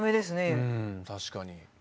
うん確かに。